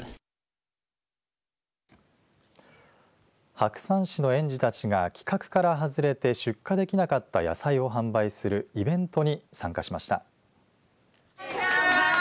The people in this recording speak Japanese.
白山市の園児たちが規格から外れて出荷できなかった野菜を販売するイベントに参加しました。